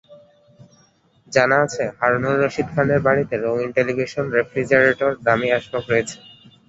জানা গেছে, হারুনুর রশিদ খানের বাড়িতে রঙিন টেলিভিশন, রেফ্রিজারেটর, দামি আসবাব রয়েছে।